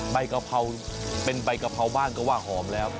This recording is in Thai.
กะเพราเป็นใบกะเพราบ้านก็ว่าหอมแล้ว